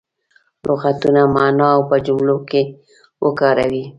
لغتونه معنا او په جملو کې وکاروي.